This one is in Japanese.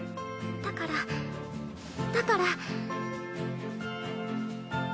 だからだから。